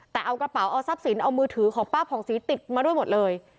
แต่เอากระเป๋าเอาทรัพย์สินเอามือถือของป้าผ่องศรีติดมาด้วยหมดเลย